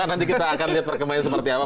nanti kita akan lihat perkembangan seperti apa